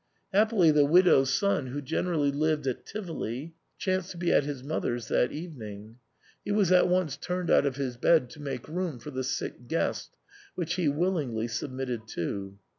Hap pily the widow's son, who generally lived at Tivoli, chanced to be at his mother's that night He was at once turned out of his bed to make room for the sick guest, which he willingly submitted to.